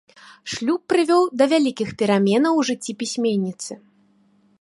Шлюб прывёў да вялікіх пераменаў у жыцці пісьменніцы.